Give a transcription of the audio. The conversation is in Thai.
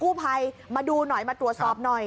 ผู้ภัยมาดูหน่อยมาตรวจสอบหน่อย